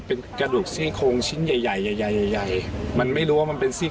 เป็นกระดูกซี่โครงชิ้นใหญ่มันไม่รู้ว่ามันเป็นซี่โครง